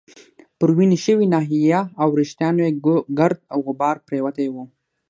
پر وینې شوې ناحیه او وریښتانو يې ګرد او غبار پرېوتی وو.